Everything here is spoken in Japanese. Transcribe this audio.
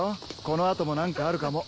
この後も何かあるかも。